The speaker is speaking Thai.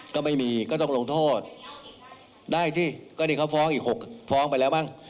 ก็ไม่มีก็ต้องลงโทษได้สิก็นี่เขาฟ้องอีกหกฟ้องไปแล้วบ้าง